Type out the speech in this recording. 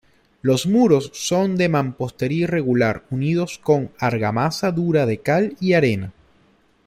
Los muros son de mampostería irregular unidos con argamasa dura de cal y arena.